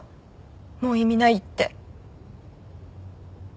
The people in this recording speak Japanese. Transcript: もう意味ないって。